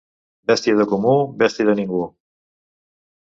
Bèstia de comú, bèstia de ningú.